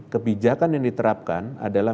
kebijakan yang diterapkan adalah